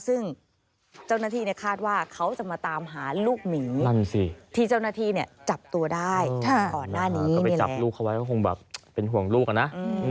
ซึ่งเจ้าหน้าที่คาดว่าเขาจะมาตามหาลูกหมีที่เจ้าหน้าที่จับตัวได้ก่อนหน้านี้นี่แหละ